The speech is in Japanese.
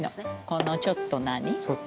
このちょっと何？